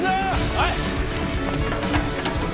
はい！